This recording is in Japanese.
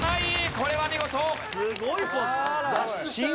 これは見事！